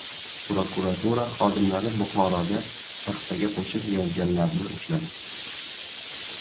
Prokuratura xodimlari Buxoroda paxtaga qo‘shib yozganlarni ushladi